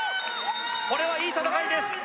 これはいい戦いです